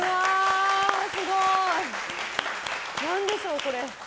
すごい。何でしょうこれ。